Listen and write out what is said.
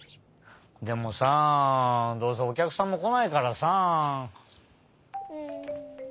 でもさどうせおきゃくさんもこないからさ。